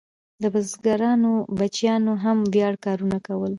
د بزګرانو بچیانو هم وړیا کارونه کول.